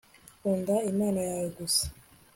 Kunda Imana yawe gusa